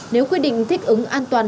nếu quy định thích ứng an toàn